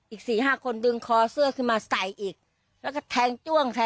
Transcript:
อีกสี่ห้าคนดึงคอเสื้อขึ้นมาใส่อีกแล้วก็แทงจ้วงแทง